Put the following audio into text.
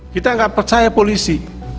kita gak percaya polisi